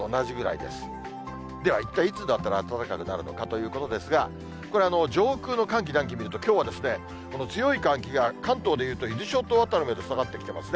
では一体いつになったら暖かくなるのかということですが、これ、上空の寒気、暖気見ると、きょうはこの強い寒気が、関東でいうと伊豆諸島辺りまで下がってきてますね。